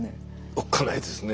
おっかないですね。